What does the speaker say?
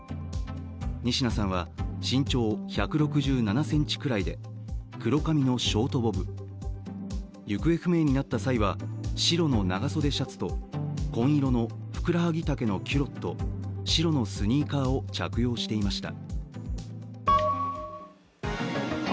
仁科さんは身長１６７ｃｍくらいで黒髪のショートボブ、行方不明になった際は、白の長袖シャツと紺色のふくらはぎ丈のキュロット白のスニーカーを着用していました。